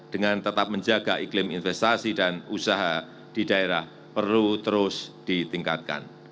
dengan tetap menjaga iklim investasi dan usaha di daerah perlu terus ditingkatkan